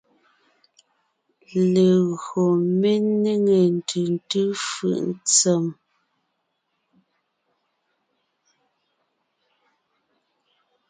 Legÿo mé nêŋe ntʉ̀ntʉ́ fʉʼ ntsèm.